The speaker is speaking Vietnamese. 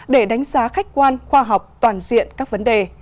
để đánh giá khách quan khoa học toàn diện các vấn đề